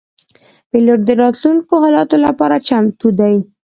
پیلوټ د راتلونکو حالاتو لپاره چمتو وي.